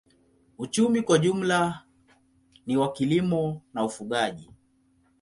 Uchumi kwa jumla ni wa kilimo na ufugaji.